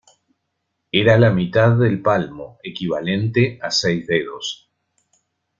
Era la mitad del palmo, equivalente a seis dedos.